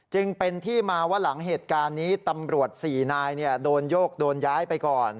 จึงเป็นที่มาว่าหลังเหตุการณ์นี้ตำรวจ๔นายโดนโยกโดนย้ายไปก่อน